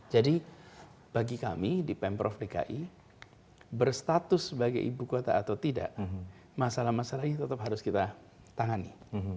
jadi bagi kami di pemprov dki berstatus sebagai ibu kota atau tidak masalah masalah ini tetap harus kita tangani